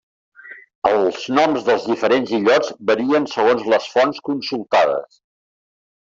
Els noms dels diferents illots varien segons les fonts consultades.